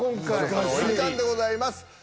そろそろお時間でございます。